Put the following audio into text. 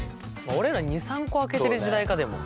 俺ら２３個開けてる時代かでも。